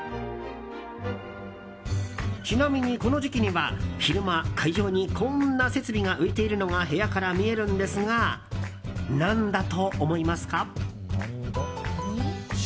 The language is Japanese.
ちなみに、この時期には昼間海上にこんな設備が浮いているのが部屋から見えるんですが何だと思いますか？